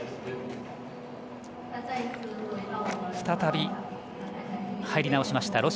再び入り直しました。